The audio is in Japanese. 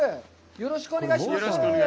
よろしくお願いします。